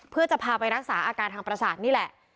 เพื่อจะพาไปรักษาอาการทางประสาทนี่แหละ